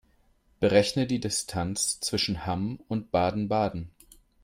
Berechne die Distanz zwischen Hamm und Baden-Baden